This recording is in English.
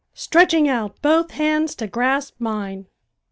stretching out both hands to grasp mine.